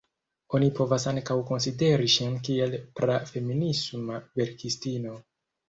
Oni povas ankaŭ konsideri ŝin kiel pra-feminisma verkistino.